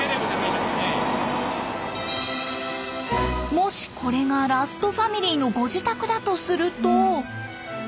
もしこれがラストファミリーのご自宅だとすると。